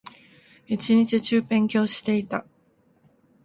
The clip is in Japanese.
一日中勉強していた